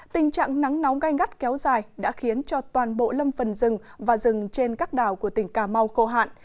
tình trạng nắng nóng gai ngắt kéo dài đã khiến cho toàn bộ lâm phần rừng và rừng trên các đảo của tỉnh cà mau khô hạn